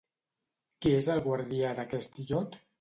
Qui és el guardià d'aquest illot?